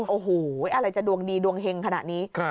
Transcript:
โอ้โหอะไรจะดวงดีดวงเฮงขนาดนี้